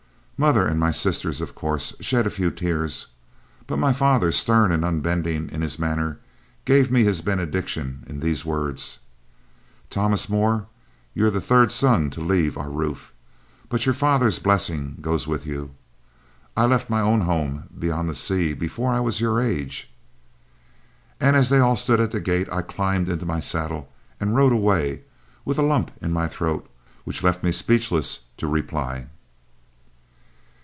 Mother and my sisters, of course, shed a few tears; but my father, stern and unbending in his manner, gave me his benediction in these words: "Thomas Moore, you're the third son to leave our roof, but your father's blessing goes with you. I left my own home beyond the sea before I was your age." And as they all stood at the gate, I climbed into my saddle and rode away, with a lump in my throat which left me speechless to reply.